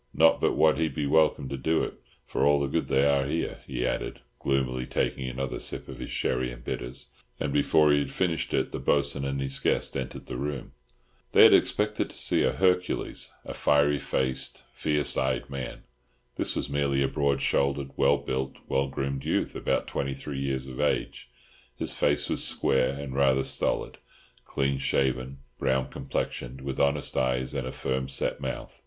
Not but what he'd be welcome to do it, for all the good they are here," he added, gloomily, taking another sip of his sherry and bitters; and before he had finished it the Bo'sun and his guest entered the room. They had expected to see a Hercules, a fiery faced, fierce eyed man. This was merely a broad shouldered, well built, well groomed youth, about twenty three years of age; his face was square and rather stolid, clean shaven, brown complexioned, with honest eyes and a firm set mouth.